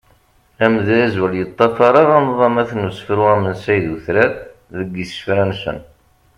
Amedyaz ur yeṭṭafar ara nḍamat n usefru amensay d utrar deg isefra-nsen.